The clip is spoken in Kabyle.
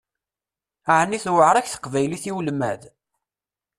Ɛni tewεeṛ-ak teqbaylit i ulmad?